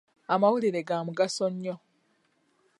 Amawulire ga mugaso nnyo.